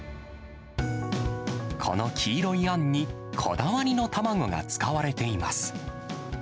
この黄色いあんに、こだわりの卵が使われています。